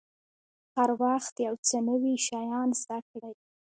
هر وخت یو څه نوي شیان زده کړئ.